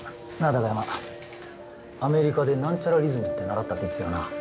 貴山アメリカで何ちゃらリズムって習ったって言ってたよな？